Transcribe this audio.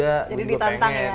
jadi ditantang ya